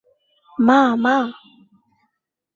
মা, মা!